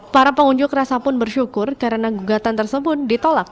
para pengunjuk rasa pun bersyukur karena gugatan tersebut ditolak